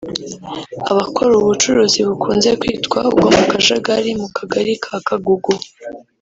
Abakora ubu bucuruzi bukunze kwitwa ubwo mu kajagari mu kagari ka Kagugu